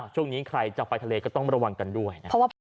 ช่วงนี้ใครจะไปทะเลก็ต้องระวังกันด้วยนะครับ